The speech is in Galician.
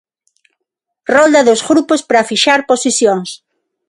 Rolda dos grupos para fixar posicións.